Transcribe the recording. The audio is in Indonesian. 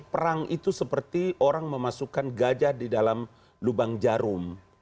perang itu seperti orang memasukkan gajah di dalam lubang jarum